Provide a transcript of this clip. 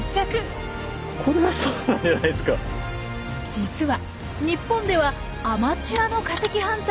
実は日本ではアマチュアの化石ハンターが大活躍！